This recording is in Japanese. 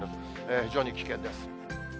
非常に危険です。